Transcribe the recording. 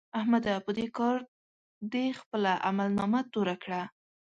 احمده! په دې کار دې خپله عملنامه توره کړه.